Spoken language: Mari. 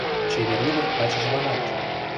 Чевер ӱдыр качыжланат